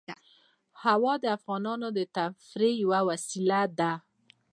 هوا د افغانانو د تفریح یوه وسیله ده.